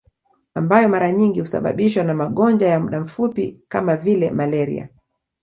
Ambayo mara nyingi husababishwa na magonjwa ya muda mfupi kama vile malaria